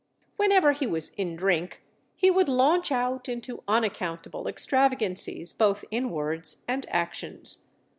Whenever he was in drink, he would launch out into unaccountable extravagancies both in words and actions.